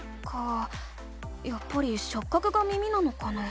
やっぱりしょっ角が耳なのかな？